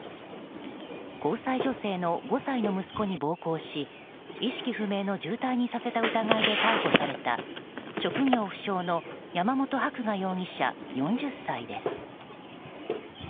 交際女性の５歳の息子に暴行し意識不明の重体にさせた疑いで逮捕された職業不詳の山本伯画容疑者、４０歳です。